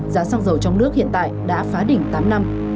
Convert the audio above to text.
giá xăng dầu trong nước hiện tại đã phá đỉnh tám năm